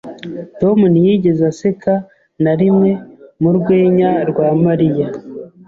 Tom ntiyigeze aseka na rimwe mu rwenya rwa Mariya.